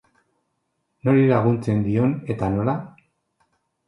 Nori laguntzen dion eta nola?